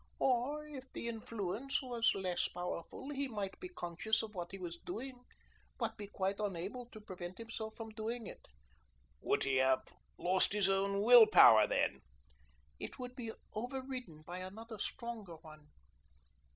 Or, if the influence was less powerful, he might be conscious of what he was doing, but be quite unable to prevent himself from doing it." "Would he have lost his own will power, then?" "It would be over ridden by another stronger one."